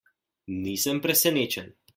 Nisem presenečen.